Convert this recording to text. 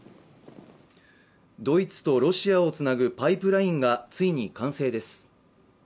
ドイツとロシアをつなぐパイプラインがついに完成です。